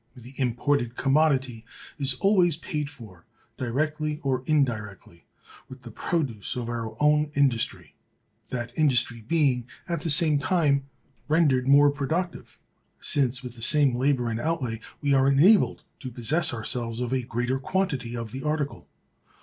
The imported commodity is always paid for, directly or indirectly, with the produce of our own industry: that industry being, at the same time, rendered more productive, since, with the same labor and outlay, we are enabled to possess ourselves of a greater quantity of the article.